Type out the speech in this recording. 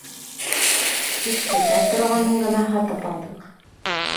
— Тик тетә торғанын ғына һатып алдыҡ.